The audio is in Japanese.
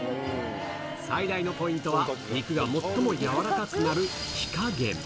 最大のポイントは、肉が最もやわらかくなる火加減。